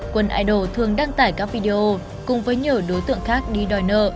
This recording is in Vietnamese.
quân idol đăng tải các video cùng với nhiều đối tượng khác đi đòi nợ